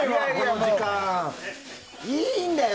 いいんだよ